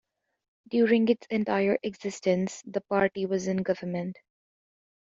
During its entire existence, the party was in government.